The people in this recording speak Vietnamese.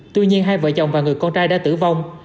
tuy nhiên hai vợ chồng và người con trai đã tử vong